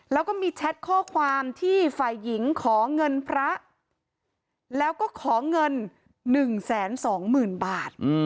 แล้วก็มีแชทข้อความที่ฝ่ายหญิงขอเงินพระแล้วก็ขอเงิน๑๒๐๐๐บาท